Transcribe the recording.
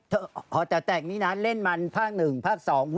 หอแต่วแตกนี้นะเล่นมันภาคหนึ่งภาคสอง